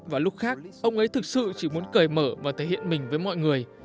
và lúc khác ông ấy thực sự chỉ muốn cởi mở và thể hiện mình với mọi người